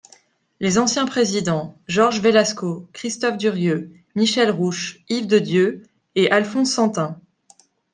Les anciens présidents: Georges Velasco, Christophe Durrieu, Michel Rouch, Yves Dedieu et Alphonse Sentein.